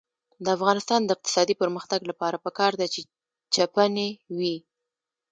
د افغانستان د اقتصادي پرمختګ لپاره پکار ده چې چپنې وي.